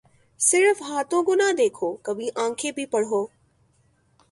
صرف ہاتھوں کو نہ دیکھو کبھی آنکھیں بھی پڑھو